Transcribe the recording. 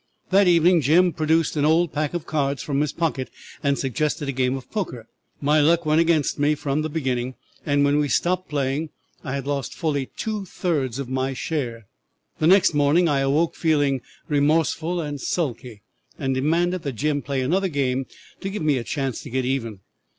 "'That evening Jim produced an old pack of cards from his pocket and suggested a game of poker. My luck went against me from the beginning, and when we stopped playing I had lost fully two thirds of my share. The next morning I awoke feeling remorseful and sulky, and demanded that Jim play another game to give me a chance to get even.